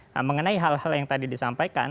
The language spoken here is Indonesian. nah mengenai hal hal yang tadi disampaikan